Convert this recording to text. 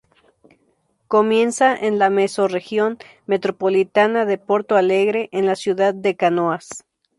Comienza en la Mesorregión Metropolitana de Porto Alegre, en la ciudad de Canoas.